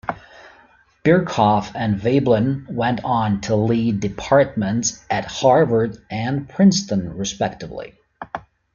Birkhoff and Veblen went on to lead departments at Harvard and Princeton, respectively.